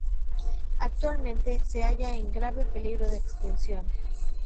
Actualmente se halla en grave peligro de extinción.